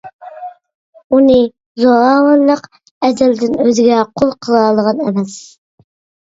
ئۇنى زوراۋانلىق ئەزەلدىن ئۆزىگە قۇل قىلالىغان ئەمەس!